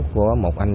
của một anh